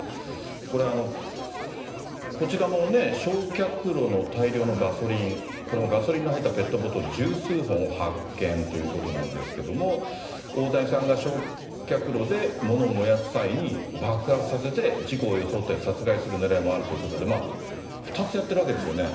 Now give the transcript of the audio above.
これ、こちらも焼却炉の大量のガソリン、これもガソリンの入ったペットボトル十数本を発見ということなんですけども、大谷さんが焼却炉でものを燃やす際に爆発させて、事故を装って殺害する狙いもあるということで、２つやってるわけですよね。